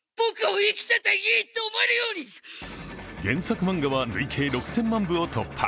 原作漫画は累計６０００万部を突破。